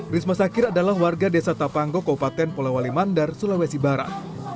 risma sakir adalah warga desa tapanggo kaupaten polewali mandar sulawesi barat